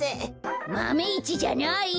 マメ１じゃない！